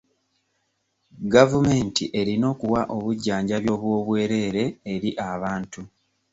Gavumenti erina okuwa obujjanjabi obw'obwereere eri abantu.